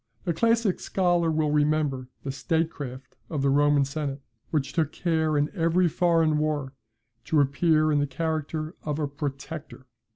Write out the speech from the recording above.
The classic scholar will remember the state craft of the Roman Senate, which took care in every foreign war to appear in the character of a PROTECTOR.